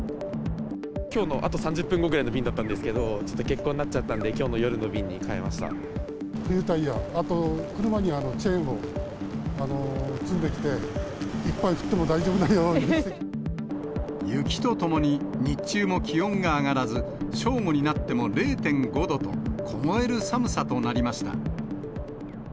きょうのあと３０分後ぐらいの便だったんですけど、ちょっと欠航になっちゃったんで、きょう冬タイヤ、あと車にはチェーンを積んできて、雪とともに日中も気温が上がらず、正午になっても０．５度と、凍える寒さとなりました。